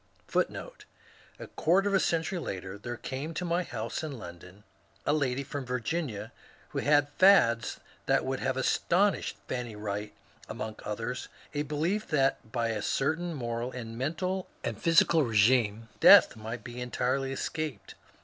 ^^ A quarter of a century later there came to my boase in London a lady from Virginia who had fads that would have astounded Fanny Wright, among others a belief that by a certain moral and mental and physical regimen death might be entirely escaped.